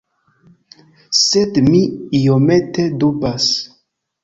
Sed mi iomete dubas.